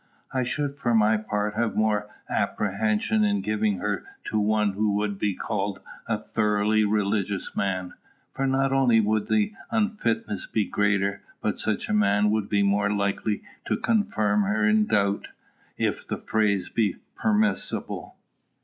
I should for my part have more apprehension in giving her to one who would be called a thoroughly religious man; for not only would the unfitness be greater, but such a man would be more likely to confirm her in doubt, if the phrase be permissible.